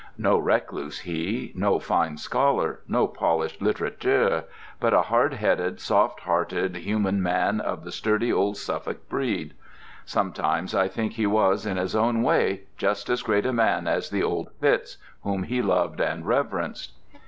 No recluse he, no fine scholar, no polished litterateur, but a hard headed, soft hearted human man of the sturdy old Suffolk breed. Sometimes I think he was, in his own way, just as great a man as the "Old Fitz," whom he loved and reverenced.